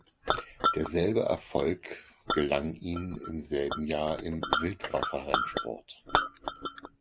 Derselbe Erfolg gelang ihm im selben Jahr im Wildwasserrennsport.